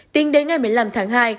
tính đến ngày một mươi năm tháng hai